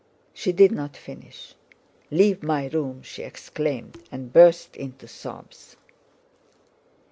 She did not finish. "Leave my room," she exclaimed, and burst into sobs.